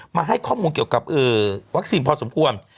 มาให้ข้อมูลเกี่ยวกับวัคซีนพอสมควร